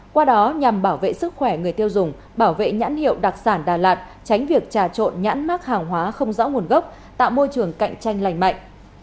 qua đó nhằm bảo vệ sức khỏe người tiêu dùng bảo vệ nhãn hiệu đặc sản đà lạt tránh việc trà trộn nhãn mát hàng hóa không rõ nguồn gốc tạo môi trường cạnh tranh lành mạnh